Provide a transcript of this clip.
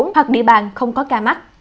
hoặc địa bàn không có ca mắc